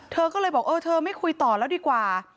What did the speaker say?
เธอก็เลยบอกเออเธอไม่คุยต่อแล้วดีกว่า